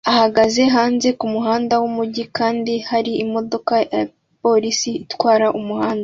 ahagaze hanze kumuhanda wumujyi kandi hari imodoka ya polisi itwara umuhanda